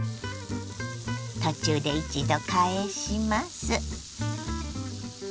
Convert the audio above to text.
途中で一度返します。